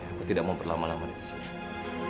aku tidak mau berlama lama di sini